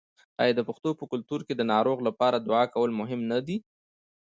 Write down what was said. آیا د پښتنو په کلتور کې د ناروغ لپاره دعا کول مهم نه دي؟